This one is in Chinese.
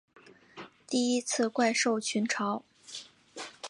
第一次怪兽热潮